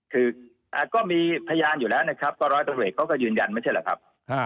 คือก็มีพยานอยู่แล้วนะครับกรตเวกก็ยืนยันไม่ใช่หรือครับ